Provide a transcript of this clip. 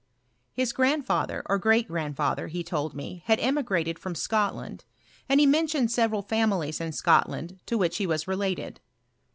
His grandfa ther, or great grandfather, he told me, had emigrated £rom Scotland ; and he mentioned several families In Scotland to which he was related.